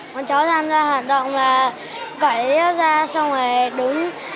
con cháu tham gia hoạt động là cải dây dép ra xong rồi đứng